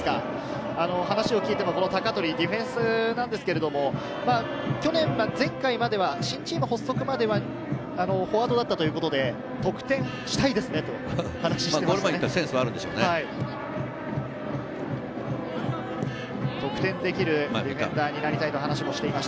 話を聞いても鷹取はディフェンスですが、去年、前回までは新チーム発足まではフォワードだったということで、得点したいですねと話をしていました。